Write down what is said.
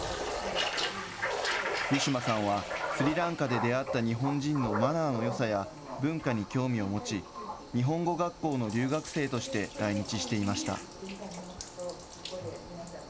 ウィシュマさんは、スリランカで出会った日本人のマナーのよさや、文化に興味を持ち、日本語学校の留学生として来日していました。